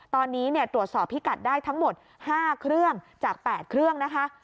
ตอนนี้ตรวจสอบพิกัดได้ทั้งหมด๕เครื่องจาก๘เครื่องนะคะ